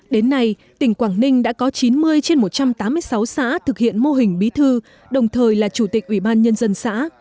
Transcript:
đến nay tỉnh quảng ninh đã có chín mươi trên một trăm tám mươi sáu xã thực hiện mô hình bí thư đồng thời là chủ tịch ủy ban nhân dân xã